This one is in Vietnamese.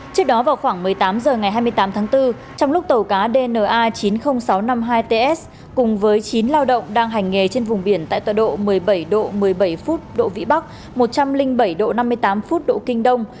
trước đó vào khoảng một mươi tám h ngày hai mươi tám tháng bốn trong lúc tàu cá dna chín mươi nghìn sáu trăm năm mươi hai ts cùng với chín lao động đang hành nghề trên vùng biển tại tọa độ một mươi bảy độ một mươi bảy phút độ vĩ bắc một trăm linh bảy độ năm mươi tám phút độ kinh đông